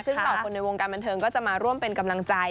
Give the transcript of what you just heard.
ซึ่งเหล่าคนในวงการบันเทิงก็จะมาร่วมเป็นกำลังใจ